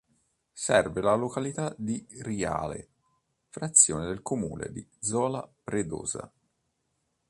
Serve la località di Riale, frazione del comune di Zola Predosa.